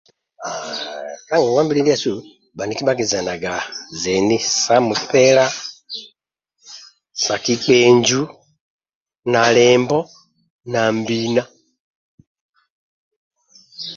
Kangongwabili ndiasu baniki bakizenaga zeni sa mupila sa kikpenju na limbo na mbina